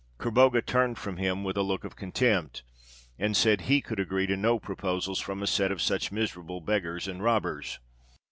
Kerbogha turned from him with a look of contempt, and said he could agree to no proposals from a set of such miserable beggars and robbers.